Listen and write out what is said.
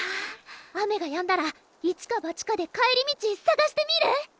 雨がやんだらいちかばちかで帰り道探してみる？